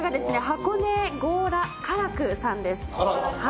箱根・強羅佳ら久さんです